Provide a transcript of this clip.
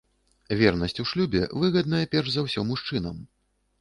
Вернасць у шлюбе выгадная перш за ўсё мужчынам.